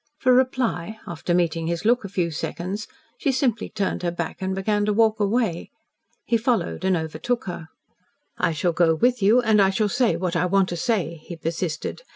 For reply, after meeting his look a few seconds, she simply turned her back and began to walk away. He followed and overtook her. "I shall go with you, and I shall say what I want to say," he persisted.